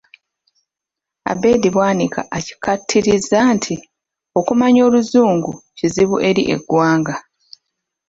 Abed Bwanika akikkaatirizza nti okumanya Oluzungu kizibu eri eggwanga.